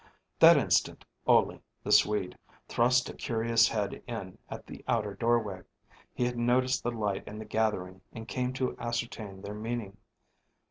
That instant Ole, the Swede, thrust a curious head in at the outer doorway. He had noticed the light and the gathering, and came to ascertain their meaning.